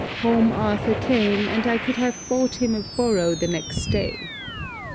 Home Arthur came, and I could have bought him a borough the next day.'